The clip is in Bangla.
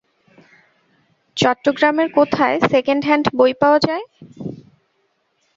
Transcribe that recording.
চট্টগ্রামের কোথায় সেকেন্ড হ্যান্ড বই পাওয়া যায়?